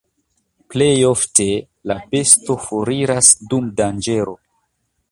Plejofte la besto foriras dum danĝero.